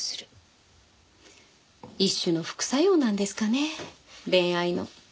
一種の副作用なんですかね恋愛の。